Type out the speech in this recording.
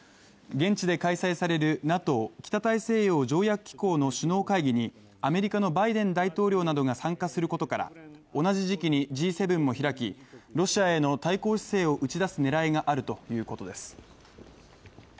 現地で開催されるＮＡＴＯ＝北大西洋条約機構の首脳会議にアメリカのバイデン大統領などが参加することから、同じ時期にＧ７も開き、ロシアへの対抗姿勢を打ち出す狙いがあるということです。